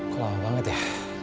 kok lama banget ya